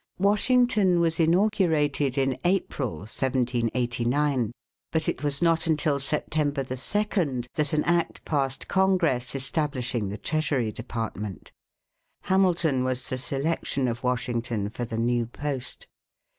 Washington was inaugurated in April, 1789, but it was not until September 2 that an act passed Congress establishing the Treasury Department. Hamilton was the selection of Washington for the new post.